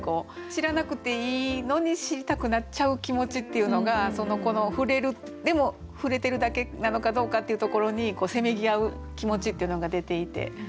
知らなくていいのに知りたくなっちゃう気持ちっていうのがこの「触れる」でも触れてるだけなのかどうかっていうところにせめぎ合う気持ちっていうのが出ていて。